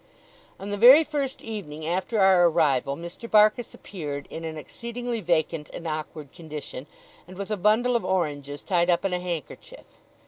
On the very first evening after our arrival, Mr. Barkis appeared in an exceedingly vacant and awkward condition, and with a bundle of oranges tied up in a handkerchief.